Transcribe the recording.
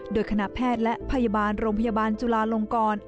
โดยคณะแพทย์และพยาบาลโรงพยาบาลจุลาลงกร